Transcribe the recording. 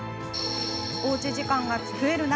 おうち時間が増える中